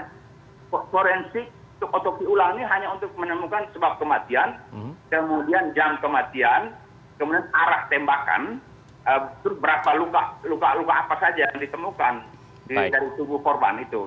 nah forensik otopsi ulang ini hanya untuk menemukan sebab kematian kemudian jam kematian kemudian arah tembakan berapa luka luka apa saja yang ditemukan dari tubuh korban itu